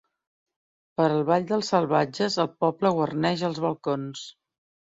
Per al ball dels salvatges el poble guarneix els balcons.